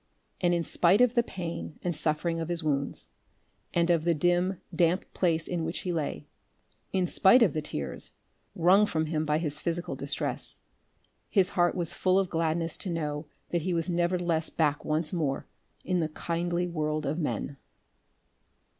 And in spite of the pain and suffering of his wounds, and of the dim damp place in which he lay; in spite of the tears wrung from him by his physical distress his heart was full of gladness to know that he was nevertheless back once more in the kindly world of men.